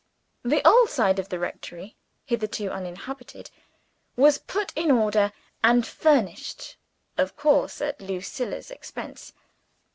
The old side of the rectory, hitherto uninhabited, was put in order and furnished of course at Lucilla's expense.